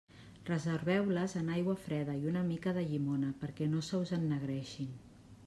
Reserveu-les en aigua freda i una mica de llimona, perquè no se us ennegreixin.